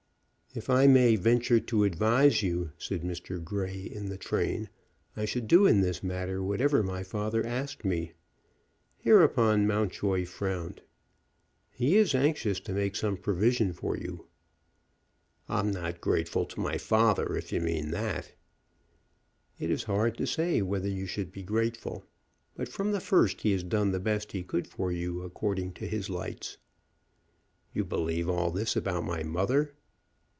"If I may venture to advise you," said Mr. Grey in the train, "I should do in this matter whatever my father asked me." Hereupon Mountjoy frowned. "He is anxious to make some provision for you." "I'm not grateful to my father, if you mean that." "It is hard to say whether you should be grateful. But, from the first, he has done the best he could for you, according to his lights." "You believe all this about my mother?"